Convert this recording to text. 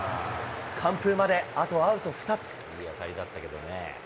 完封まで、あとアウト２つ。